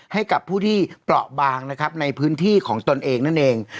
ให้กับผู้ที่เปราะบางนะครับในพื้นที่ของตนเองนั่นเอง